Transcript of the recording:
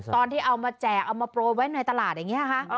ตอนที่เอามาแจกเอามาโปรยไว้ในตลาดอย่างนี้ค่ะ